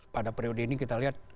pada periode ini kita lihat